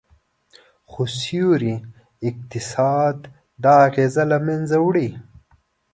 خو سیوري اقتصاد دا اغیز له منځه وړي